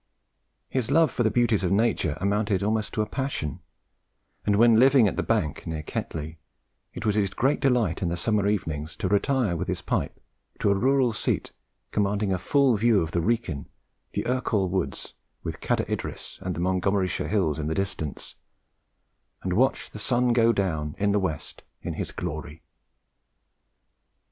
His love for the beauties of nature amounted almost to a passion, and when living at The Bank, near Ketley, it was his great delight in the summer evenings to retire with his pipe to a rural seat commanding a full view of the Wrekin, the Ercall Woods, with Cader Idris and the Montgomeryshire hills in the distance, and watch the sun go down in the west in his glory.